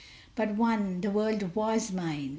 But one "The world was mine!"